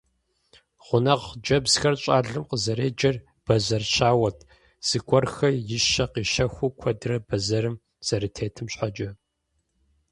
Гъунэгъу хъыджэбзхэр щӀалэм къызэреджэр бэзэр щауэт, зыгуэрхэр ищэ-къищэхуу куэдрэ бэзэрым зэрытетым щхьэкӀэ.